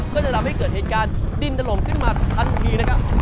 ก็จะทำให้เกิดเหตุการณ์ดินถล่มขึ้นมาทันทีนะครับ